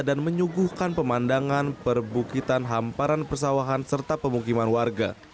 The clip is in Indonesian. dan menyuguhkan pemandangan perbukitan hamparan persawahan serta pemukiman warga